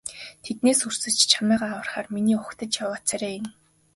Тэднээс өрсөж чамайгаа аврахаар миний угтаж яваа царай энэ.